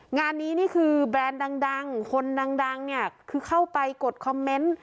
งานนี้นี่คือแบรนด์ดังคนดังเนี่ยคือเข้าไปกดคอมเมนต์